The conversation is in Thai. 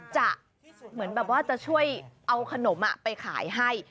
จะเหมือนแบบว่าจะช่วยเอาขนมไปขายให้